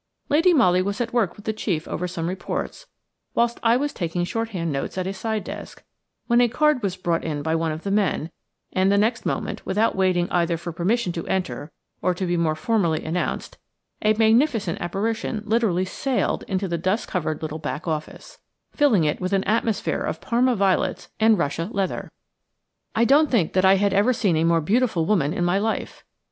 Lady Molly was at work with the chief over some reports, whilst I was taking shorthand notes at a side desk, when a card was brought in by one of the men, and the next moment, without waiting either for permission to enter or to be more formally announced, a magnificent apparition literally sailed into the dust covered little back office, filling it with an atmosphere of Parma violets and russia leather . I don't think that I had ever seen a more beautiful woman in my life.